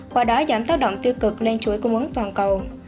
qua đó giảm tác động tiêu cực lên chuỗi cung ứng toàn cầu